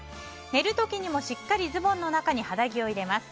寝る時にもしっかりズボンの中に肌着を入れます。